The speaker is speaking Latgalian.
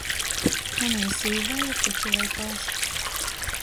Munai sīvai ir puču veikals.